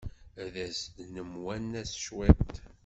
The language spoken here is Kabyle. As-d ad nemwanas cwiṭ.